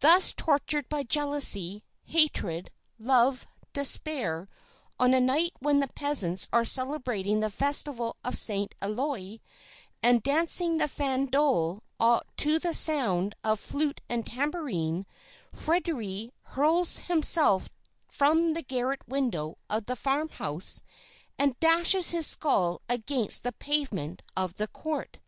Thus tortured by jealousy, hatred, love, despair, on a night when the peasants are celebrating the Festival of Saint Éloi, and dancing the farandole to the sound of flute and tambourine, Fréderi hurls himself from the garret window of the farm house and dashes his skull against the pavement of the court.